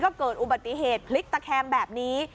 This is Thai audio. ก็เกิดอุบัติเหตุพลิกตะแคงแบบนี้